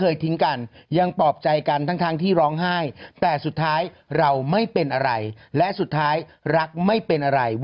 อึกอึกอึกอึกอึกอึกอึกอึกอึก